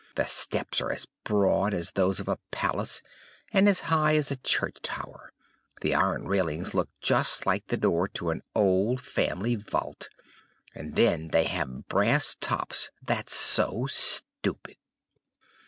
The steps are as broad as those of a palace, and as high as to a church tower. The iron railings look just like the door to an old family vault, and then they have brass tops that's so stupid!"